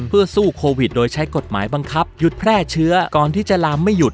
เพื่อสู้โควิดโดยใช้กฎหมายบังคับหยุดแพร่เชื้อก่อนที่จะลามไม่หยุด